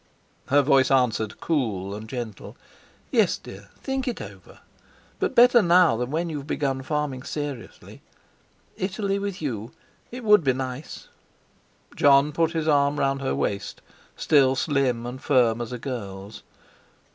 Her voice answered, cool and gentle: "Yes, dear; think it over. But better now than when you've begun farming seriously. Italy with you! It would be nice!" Jon put his arm round her waist, still slim and firm as a girl's.